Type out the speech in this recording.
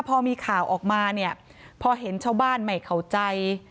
พอมีข่าวออกมาเนี่ยพอเห็นชาวบ้านไม่เข้าใจ